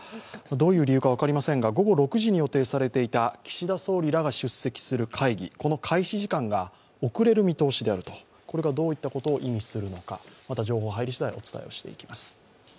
どういう理由か分かりませんが午後６時に予定されていた岸田総理らが出席する会議、この開始時間が遅れる見通しである、これがどういったことを意味するのか、また情報が入り次第、お伝えしていきます。